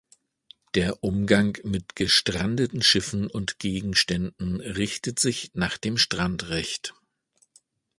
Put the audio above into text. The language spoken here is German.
Der Umgang mit gestrandeten Schiffen und Gegenständen richtet sich nach dem Strandrecht.